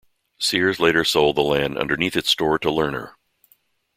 Sears later sold the land underneath its store to Lerner.